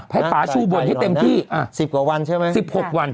พายป่าชู่บ่นให้เต็มที่อ่ะสิบกว่าวันใช่ไหมสิบหกวัน